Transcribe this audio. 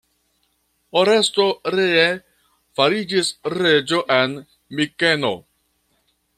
Oresto ree fariĝis reĝo en Mikeno.